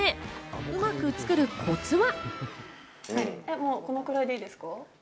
うまく作るコツは。